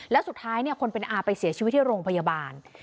แล้วสุดท้ายคนเป็นอาไปเสียชีวิตที่โรงพยาบาล